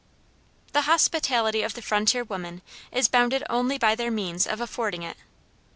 The hospitality of the frontier woman is bounded only by their means of affording it.